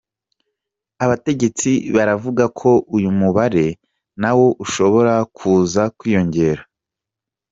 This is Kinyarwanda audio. Abategetsi baravuga ko uyu mubare na wo ushobora kuza kwiyongera.